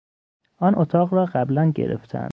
آن اتاق را قبلا گرفتهاند.